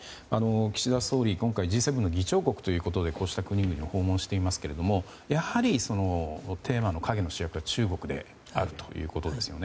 岸田総理、今回Ｇ７の議長国ということでこうした国々を訪問していますがやはり、テーマの陰の主役は中国であるわけですよね。